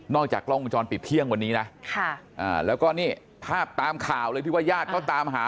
จากกล้องวงจรปิดเที่ยงวันนี้นะแล้วก็นี่ภาพตามข่าวเลยที่ว่าญาติเขาตามหา